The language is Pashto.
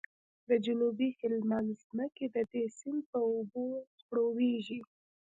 د جنوبي هلمند ځمکې د دې سیند په اوبو خړوبیږي